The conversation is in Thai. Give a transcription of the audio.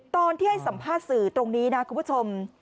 ตอนที่ให้สัมภาษณ์สื่อตรงนี้นะคุณผู้ชม